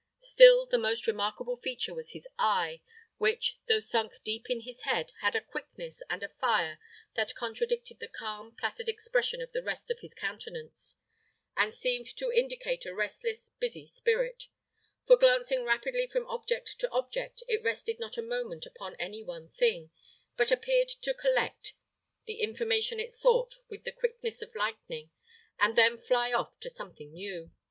Still, the most remarkable feature was his eye, which, though sunk deep in his head, had a quickness and a fire that contradicted the calm, placid expression of the rest of his countenance, and seemed to indicate a restless, busy spirit; for, glancing rapidly from object to object, it rested not a moment upon any one thing, but appeared to collect the information it sought with the quickness of lightning, and then fly off to something new.